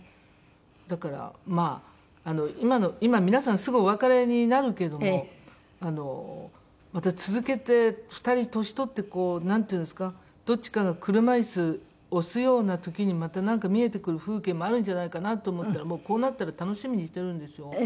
だからまあ今の今皆さんすぐお別れになるけれどもまた続けて２人年取ってこうなんていうんですかどっちかが車椅子押すような時にまたなんか見えてくる風景もあるんじゃないかなと思ったらもうこうなったら楽しみにしてるんですよ。